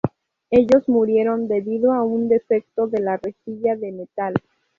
Ellos murieron debido a un defecto de la rejilla de metal.